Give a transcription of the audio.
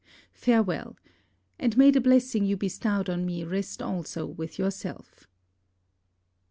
Farewel! and may the blessing you bestowed on me rest also with yourself.